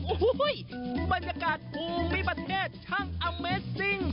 อู้หู้หู้ยบรรยากาศภูมิประเทศทั้งอเมสซิ่ง